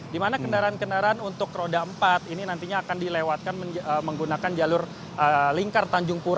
di mana kendaraan kendaraan untuk roda empat ini nantinya akan dilewatkan menggunakan jalur lingkar tanjung pura